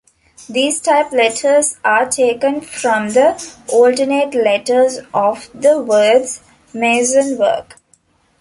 These type letters are taken from the alternate letters of the words "MaSoN wOrK".